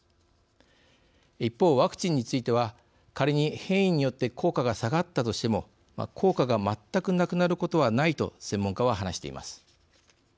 一方ワクチンについては仮に変異によって効果が下がったとしても効果が全くなくなることはないと専門家は話しています。